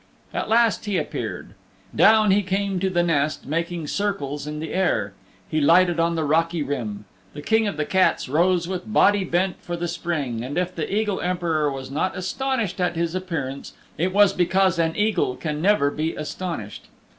At last he appeared. Down he came to the nest making circles in the air. He lighted on the rocky rim. The King of the Cats rose with body bent for the spring, and if the Eagle Emperor was not astonished at his appearance it was because an Eagle can never be astonished.